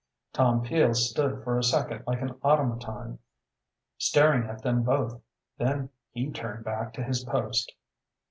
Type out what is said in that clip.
Tom Peel stood for a second like an automaton, staring at them both. Then he turned back to his post.